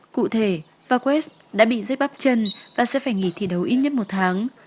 cụ thể faquest đã bị giấy bắp chân và sẽ phải nghỉ thi đấu ít nhất một tháng